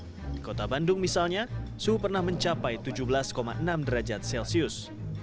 di kota bandung misalnya suhu pernah mencapai tujuh belas enam derajat celcius